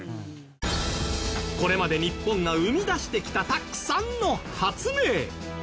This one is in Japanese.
これまで日本が生み出してきたたくさんの発明